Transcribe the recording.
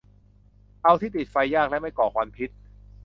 เอาที่ติดไฟยากและไม่ก่อควันพิษ